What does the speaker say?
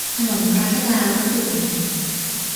ถนนรัชดารถติดไหม